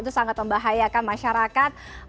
itu sangat membahayakan masyarakat